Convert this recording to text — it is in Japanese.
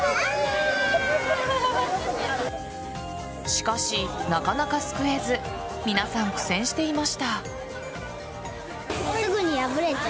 しかし、なかなかすくえず皆さん苦戦していました。